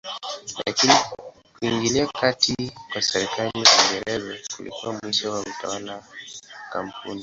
Lakini kuingilia kati kwa serikali ya Uingereza kulikuwa mwisho wa utawala wa kampuni.